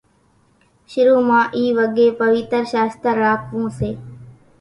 شرُو مان اِي وڳين پويتر شاستر راکوون سي